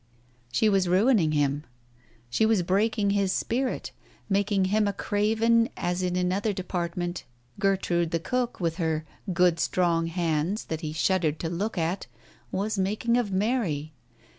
She was ruining him, she was breaking his spirit, making him a craven, as in another department Gertrude the cook, with her " good strong hands " that he shud dered to look at, was making of Mary.